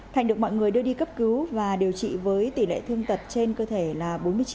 thành được mọi người đưa đi cấp cứu và điều trị với tỷ lệ thương tật trên cơ thể là bốn mươi chín